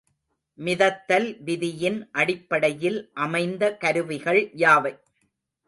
மிதத்தல் விதியின் அடிப்படையில் அமைந்த கருவிகள் யாவை?